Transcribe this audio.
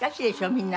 みんな。